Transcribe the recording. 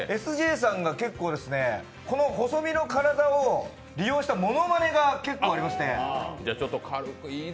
ＳＪさんが結構この細身の体を利用したものまねが結構ありまして。